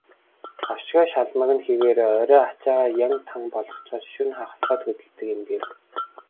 "Гавшгай шалмаг нь хэвээрээ, орой ачаагаа ян тан болгочхоод шөнө хагаслаад хөдөлдөг юм" гэв.